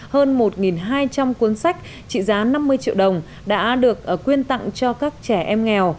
hơn một hai trăm linh cuốn sách trị giá năm mươi triệu đồng đã được quyên tặng cho các trẻ em nghèo